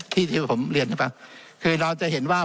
ที่ที่ผมเรียนเข้าไปคือเราจะเห็นว่า